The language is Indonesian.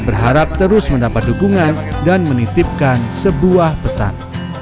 berharap terus mendapat dukungan dan menitipkan sebuah pesan